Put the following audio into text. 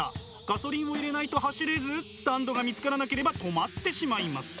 ガソリンを入れないと走れずスタンドが見つからなければ止まってしまいます。